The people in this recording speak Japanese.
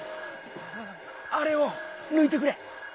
「あれ」をぬいてくれ。